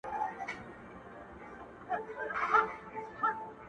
ته تر اوسه لا د فیل غوږ کي بیده یې,